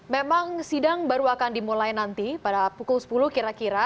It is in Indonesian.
memang sidang baru akan dimulai nanti pada pukul sepuluh kira kira